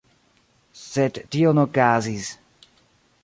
Sed tio ne okazis.